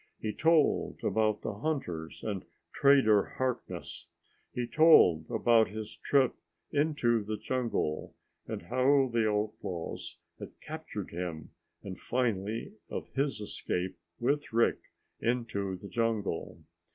He told about the hunters and Trader Harkness. He told about his trip into the jungle and how the outlaws had captured him, and, finally, of his escape with Rick into the jungle.